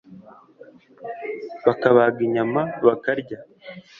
bakabaga inyama bakarya,